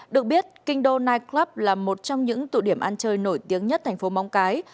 được biết kinh đô nightclub là một trong những tụ điểm ăn chơi nổi tiếng nhất thành phố móng cái